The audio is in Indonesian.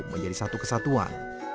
menjadi satu kesatuan